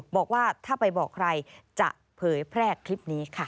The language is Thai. บอกว่าถ้าไปบอกใครจะเผยแพร่คลิปนี้ค่ะ